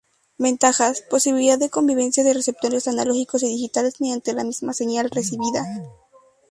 Ventajas: posibilidad de convivencia de receptores analógicos y digitales mediante la misma señal recibida.